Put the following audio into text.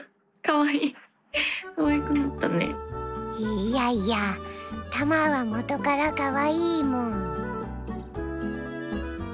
いやいやたまはもとからかわいいもん！